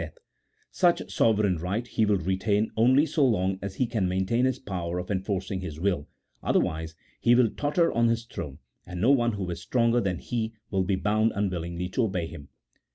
205 death ; such sovereign right he will retain only so long as he can maintain his power of enforcing his will ; otherwise he will totter on his throne, and no one who is stronger than he will be bound unwillingly to obey him.